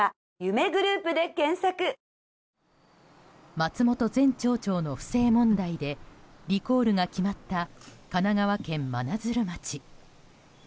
松本前町長の不正問題でリコールが決まった神奈川県真鶴町。